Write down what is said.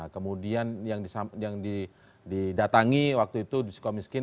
kemudian yang didatangi waktu itu di sukamiskin